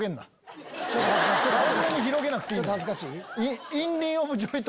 そんなに広げなくていいんだ。